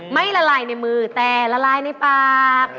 ละลายในมือแต่ละลายในปาก